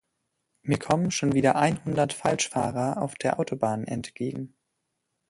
Mir kommen schon wieder einhundert Falschfahrer auf der Autobahn entgegen!